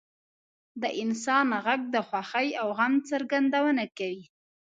• د انسان ږغ د خوښۍ او غم څرګندونه کوي.